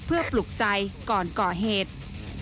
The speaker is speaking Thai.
เพื่อปลุกใจก่อนก่อเหตุ